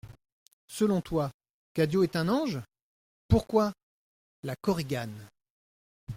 Selon toi, Cadio est un ange ? Pourquoi ? LA KORIGANE.